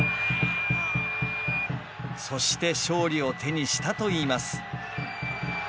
そして勝利を手にしたといいます。